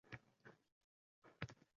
Aksiga sen orzu, sen dil armonim